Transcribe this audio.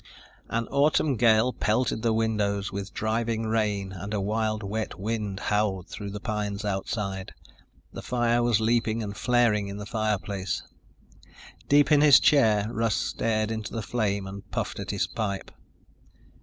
An autumn gale pelted the windows with driving rain, and a wild, wet wind howled through the pines outside. The fire was leaping and flaring in the fireplace. Deep in his chair, Russ stared into the flame and puffed at his pipe.